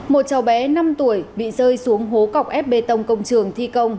một cháu bé năm tuổi bị rơi xuống hố cọc ép bê tông công trường thi công